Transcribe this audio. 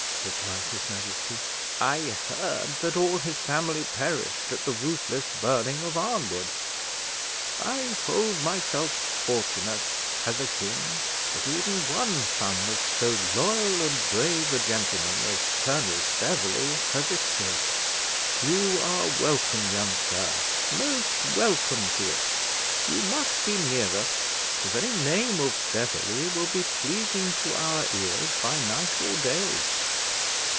replied his majesty; "I heard that all his family perished at the ruthless burning of Arnwood. I hold myself fortunate, as a king, that even one son of so loyal and brave a gentleman as Colonel Beverley has escaped. You are welcome, young sir most welcome to us; you must be near us; the very name of Beverley will be pleasing to our ears by night or day."